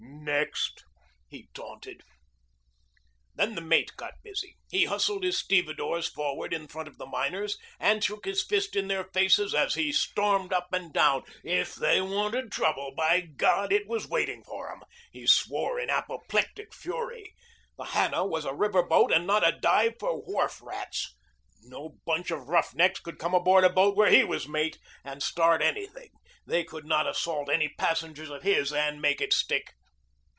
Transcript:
"Next," he taunted. Then the mate got busy. He hustled his stevedores forward in front of the miners and shook his fist in their faces as he stormed up and down. If they wanted trouble, by God! it was waiting for 'em, he swore in apoplectic fury. The Hannah was a river boat and not a dive for wharf rats. No bunch of roughnecks could come aboard a boat where he was mate and start anything. They could not assault any passengers of his and make it stick.